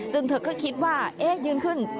ซึ่งเธอก็คิดว่าเอ๊ะยืนขึ้น